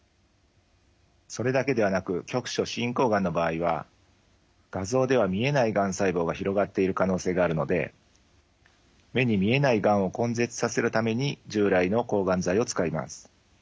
それだけではなく局所進行がんの場合は画像では見えないがん細胞が広がっている可能性があるので目に見えないがんを根絶させるために従来の抗がん剤を使います。